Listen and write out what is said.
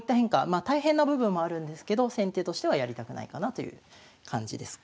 まあ大変な部分もあるんですけど先手としてはやりたくないかなという感じです。